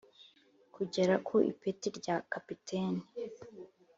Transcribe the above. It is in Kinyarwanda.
kugera ku ipeti rya Kapiteni